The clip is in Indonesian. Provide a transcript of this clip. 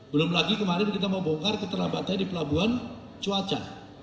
belum lagi kemarin kita mau bongkar keterlambatannya di pelabuhan cuaca